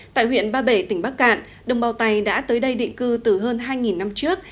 tại huyện ba bể tỉnh bắc cạn đồng bào tày đã tới đây định cư từ hơn hai năm trước